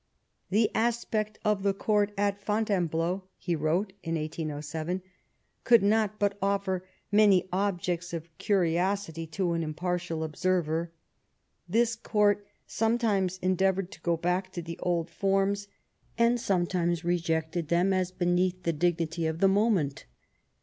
" The aspect of the Court at Fontainebleau," he wrote in 1807, " could not but offer many objects of curiosity to an impartial observer. This Court sometimes endeavoured to go back to the old forms, and sometimes rejected them as beneath the dignity of the moment.